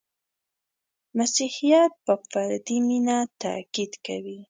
• مسیحیت په فردي مینه تأکید کوي.